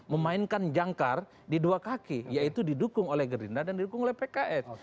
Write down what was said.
memainkan jangkar di dua kaki yaitu didukung oleh gerindra dan didukung oleh pks